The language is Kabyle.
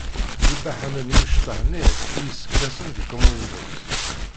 D ibaḥanen yimecṭaḥ-nni i yesseklasen deg common voice.